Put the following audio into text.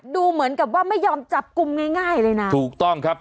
ดูเหมือนกับว่าไม่ยอมจับกลุ่มง่ายง่ายเลยนะถูกต้องครับ